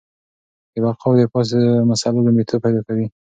د بقا او دفاع مسله لومړیتوب پیدا کوي.